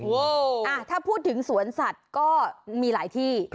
โอ้โหถ้าพูดถึงสวนสัตว์ก็มีหลายที่